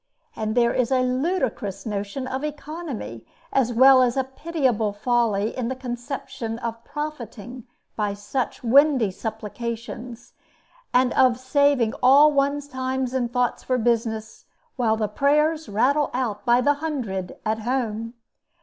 And there is a ludicrous notion of economy, as well as a pitiable folly in the conception of profiting by such windy supplications, and of saving all one's time and thoughts for business, while the prayers rattle out by the hundred at home.